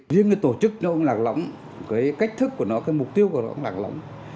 riêng cái tổ chức nó cũng lạc lóng cái cách thức của nó cái mục tiêu của nó cũng lạc lắm